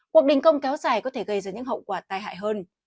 cuộc đình công kéo dài có thể gây ra những hậu quả tai hại hơn